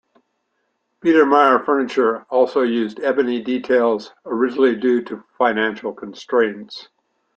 Biedermeier furniture also used ebony details, originally due to financial constraints.